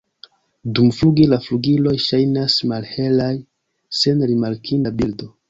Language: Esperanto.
Dumfluge la flugiloj ŝajnas malhelaj, sen rimarkinda bildo.